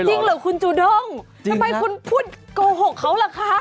จริงเหรอคุณจูด้งทำไมคุณพูดโกหกเขาล่ะคะ